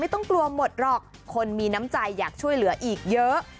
ต้องกลัวหมดหรอกคนมีน้ำใจอยากช่วยเหลืออีกเยอะ